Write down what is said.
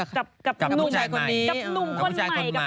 กับหนุ่มคนใหม่